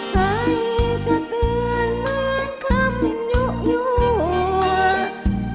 ใครจะเตือนเหมือนคำยุโยก